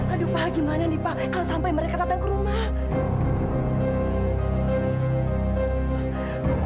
aduh pak gimana nih pak kalau sampai mereka datang ke rumah